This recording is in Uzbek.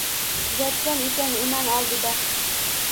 Yotgan ekan eman oldida.